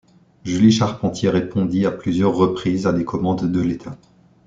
Julie Charpentier répondit à plusieurs reprises à des commandes de l'État.